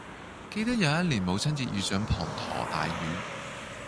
記得有一年母親節遇上滂沱大雨